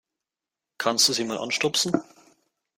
Kannst du sie mal anstupsen?